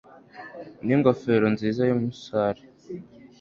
n'ingofero nziza y'umusare